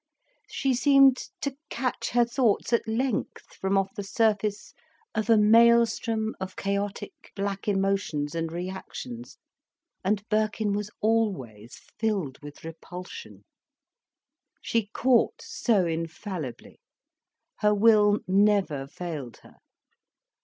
She seemed to catch her thoughts at length from off the surface of a maelstrom of chaotic black emotions and reactions, and Birkin was always filled with repulsion, she caught so infallibly, her will never failed her.